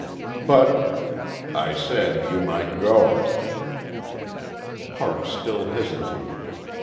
"But " "I said you might go." Parks still hesitated.